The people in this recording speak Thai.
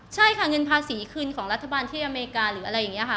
ใช่ค่ะเงินภาษีคืนของรัฐบาลที่อเมริกาหรืออะไรอย่างนี้ค่ะ